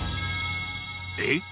えっ？